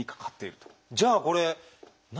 じゃあこれ何？